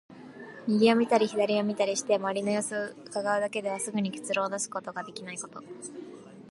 右を見たり左を見たりして、周りの様子を窺うだけですぐに結論を出すことができないこと。